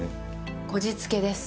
こじつけです。